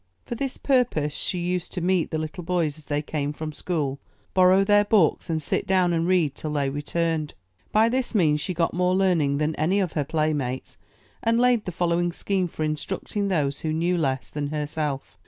For this purpose she used to meet the little boys as they came from school, borrow their books, 134 UP ONE PAIR OF STAIRS and sit down and read till they returned. By this means she got more learning than any of her play mates, and laid the following scheme for instructing those who knew less than herself.